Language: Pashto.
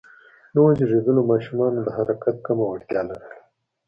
نوو زېږیدليو ماشومان د حرکت کمه وړتیا لرله.